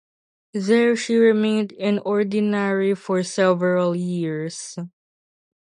There she remained in ordinary for several years.